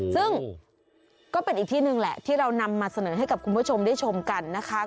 ซึ่งก็เป็นอีกที่หนึ่งแหละที่เรานำมาเสนอให้กับคุณผู้ชมได้ชมกันนะคะ